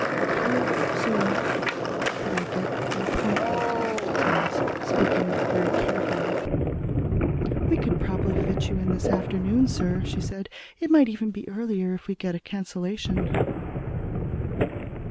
"How soon could I get an appointment?" he asked, speaking very carefully. "We could probably fit you in late this afternoon, sir," she said. "It might even be earlier, if we get a cancellation."